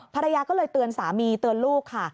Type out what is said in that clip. ภรรยาก็เลยเตือนสามีเตือนลูกค่ะ